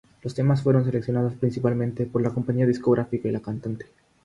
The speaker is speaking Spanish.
Los temas fueron seleccionados principalmente por la compañía discográfica y la cantante.